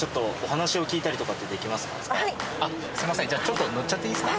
じゃあ乗っちゃっていいですか？